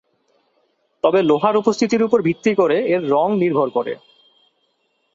তবে লোহার উপস্থিতির ওপর ভিত্তি করে এর রঙ নির্ভর করে।